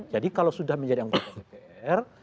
jadi kalau sudah menjadi anggota dpr